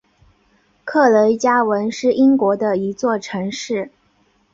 克雷加文是英国的一座城市。